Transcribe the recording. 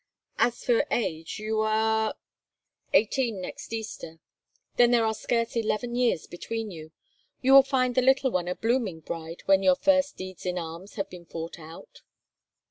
As for age, you are—?" "Eighteen next Easter." "Then there are scarce eleven years between you. You will find the little one a blooming bride when your first deeds in arms have been fought out."